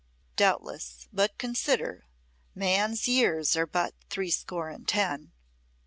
Doubtless, but consider: man's years are but threescore and ten!